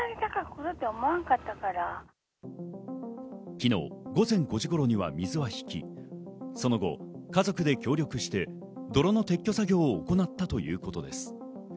昨日、午前５時頃には水は引き、その後家族で協力して泥の撤去作業を行ったということです。